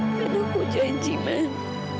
dan aku janji man